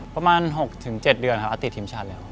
ประมาณ๖๗เดือนอาติธิมชันแล้ว